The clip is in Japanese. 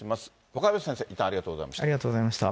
若林先生、いったんありがとうございました。